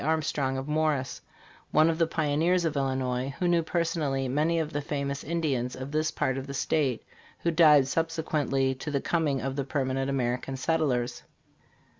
Arm strong, of Morris, one of the pioneers of Illinois, who knew personally many of the famous Indians of this part of the state who died subsequently THE FINAL TRAGEDY. 5Q to the coming of the permanent American settlers.